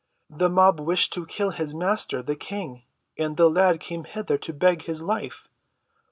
"The mob wish to kill his Master, the King, and the lad came hither to beg his life.